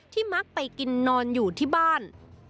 มักไปกินนอนอยู่ที่บ้าน